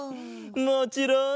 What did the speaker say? もちろん！